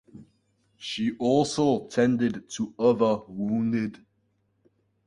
She also tended to other wounded.